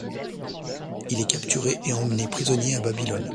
Il est capturé et emmené prisonnier à Babylone.